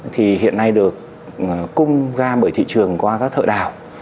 thì hiện nay được cung ra bởi thị trường qua các thợ đảo